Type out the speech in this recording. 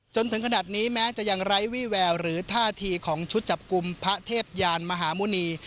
จนถึงขนาดนี้แม้จะยังไร้วี่แววหรือท่าทีของชุดจับกลุ่มพระเทพยานมหาหมุณี